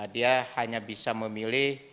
dia hanya bisa memilih